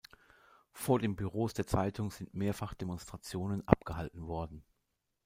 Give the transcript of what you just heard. Vor den Büros der Zeitung sind mehrfach Demonstrationen abgehalten worden.